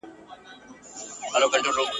کله چي يو انسان په مقابل طرف باور نلري.